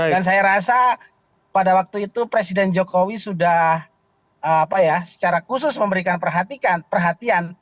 dan saya rasa pada waktu itu presiden jokowi sudah secara khusus memberikan perhatian